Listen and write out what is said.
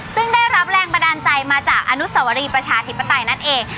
ซึ่งได้รับแรงบันดาลใจมาจากอนุสวรีประชาธิปไตยนั่นเอง